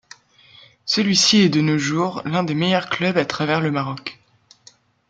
Celui-ci est de nos jours, l'un des meilleurs clubs à travers le Maroc.